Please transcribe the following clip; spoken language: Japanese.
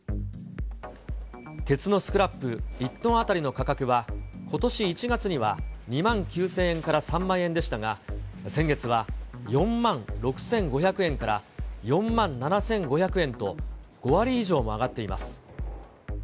鉄のスクラップ１トン当たりの価格は、ことし１月には２万９０００円から３万円でしたが、先月は４万６５００円から４万７５００円と、５割以上も上がっています。